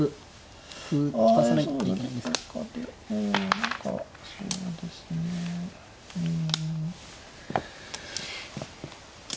何かそうですねうん。